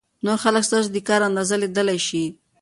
نور خلک ستاسو د کار اندازه لیدلای شي.